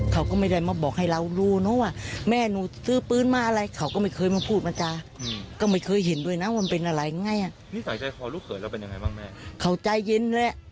ใช่จริงเขาเป็นคนใจเย็น